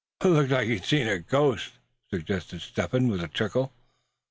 "Looked like he'd seen a ghost!" suggested Step Hen, with a chuckle.